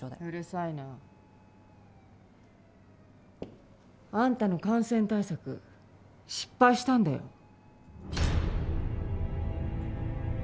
うるさいな。あんたの感染対策失敗したんだよ。